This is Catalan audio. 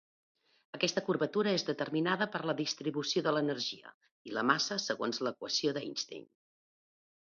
Aquesta curvatura és determinada per la distribució de l'energia, i la massa, segons l'equació d'Einstein.